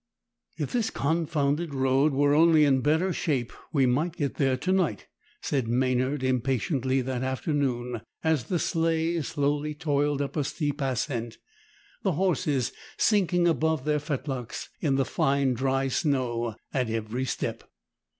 "If this confounded road was only in better shape, we might get there to night," said Maynard impatiently that afternoon as the sleigh slowly toiled up a steep ascent, the horses sinking above their fetlocks in the fine dry snow at every step.